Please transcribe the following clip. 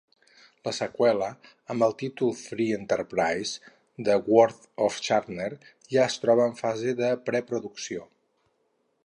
La seqüela, amb el títol ""Free Enterprise: The Wrath of Shatner"" ja es troba en fase de preproducció.